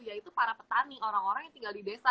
yaitu para petani orang orang yang tinggal di desa